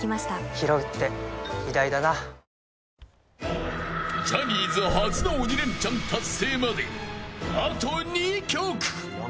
ひろうって偉大だなジャニーズ初の鬼レンチャン達成まであと２曲。